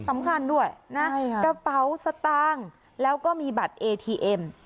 สำคัญด้วยนะกระเป๋าสตางค์แล้วก็มีบัตรเอทีเอ็ม